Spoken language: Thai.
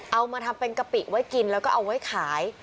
เอามาทำเป็นกะปิไว้กินแล้วก็เอาไว้ขาย